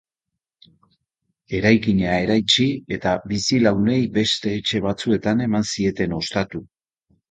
Eraikina eraitsi, eta bizilagunei beste etxe batzuetan eman zieten ostatu.